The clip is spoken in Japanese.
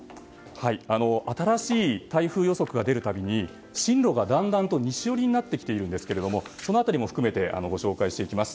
新しい台風予測が出るたびに進路がだんだんと西寄りになってきていますがその辺りも含めてご紹介します。